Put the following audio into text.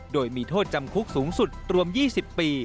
โดยมีโทษจำคุกสูงสุดรวม๒๐ปี